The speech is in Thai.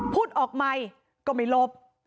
พูดออกใหม่ก็ไม่หลบ